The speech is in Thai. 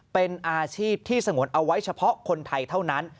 เป็นอาชีพที่สงวนเอาไว้เฉพาะคนไทยเท่านั้น